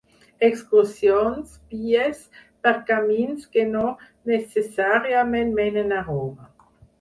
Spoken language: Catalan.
Excursions pies per camins que no necessàriament menen a Roma.